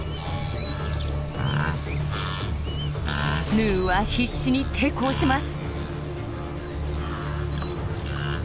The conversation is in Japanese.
ヌーは必死に抵抗します。